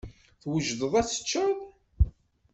Twejdeḍ ad tecceḍ?